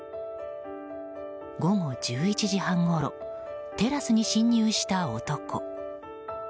午後１１時半ごろテラスに侵入した男。